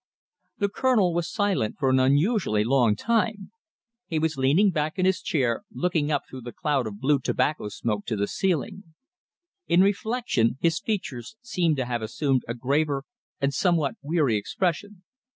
The Colonel was silent for an unusually long time. He was leaning back in his chair, looking up through the cloud of blue tobacco smoke to the ceiling. In reflection his features seemed to have assumed a graver and somewhat weary expression.